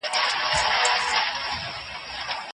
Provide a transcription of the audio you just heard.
پريکړي په کوم اساس کیږي؟